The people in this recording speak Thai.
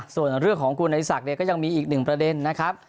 ส่วนเรื่องของคุณอริสักเนี่ยก็ยังมีอีกหนึ่งประเด็นนะครับ